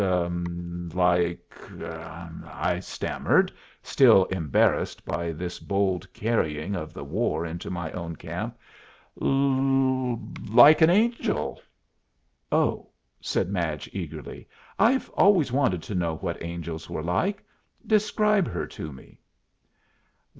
"Like, like " I stammered, still embarrassed by this bold carrying of the war into my own camp, "like an angel." "Oh," said Madge, eagerly, "I've always wanted to know what angels were like. Describe her to me."